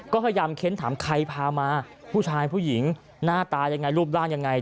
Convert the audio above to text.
ก็พยายามเค้นถามใครพามาผู้ชายผู้หญิงหน้าตายังไงรูปร่างยังไง